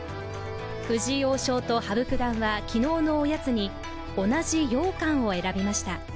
藤井王将と羽生九段は昨日のおやつに同じようかんを選びました。